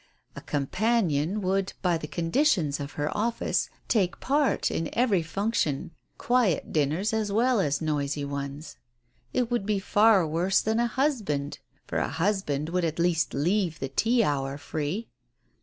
A companion would, by the conditions of her office, take part in every function, "quiet" dinners as well as noisy ones. It would be far worse than a husband, for Digitized by Google i 4 TALES OF THE UNEASY a husband would at least leave the tea hour free.